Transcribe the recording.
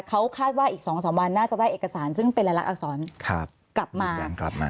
เขาคาดว่าอีก๒๓วันน่าจะได้เอกสารซึ่งเป็นรายลักษรกลับมา